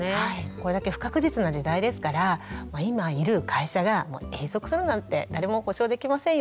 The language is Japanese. これだけ不確実な時代ですから今いる会社が永続するなんて誰も保証できませんよね。